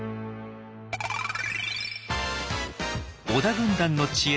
織田軍団の知恵